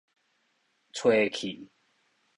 炊氣